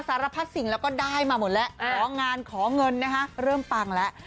สารพัดสิ่งแล้วก็ได้มาหมดแล้วของานขอเงินนะฮะเริ่มปังแล้ว